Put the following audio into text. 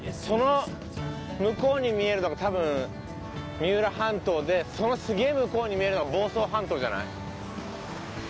その向こうに見えるのが多分三浦半島でそのすげえ向こうに見えるのが房総半島じゃない？